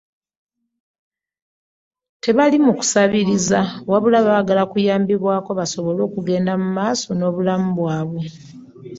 Tebali mu kusabiriza, wabula baagala kuyambibwako basobole okugenda mu maaso n'obulamu bwabwe.